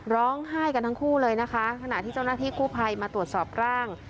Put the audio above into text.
ร้องไห้กันทั้งคู่เลยนะคะขณะที่เจ้าหน้าที่กู้ภัยมาตรวจสอบร่าง